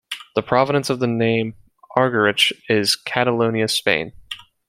The provenance of the name Argerich is Catalonia, Spain.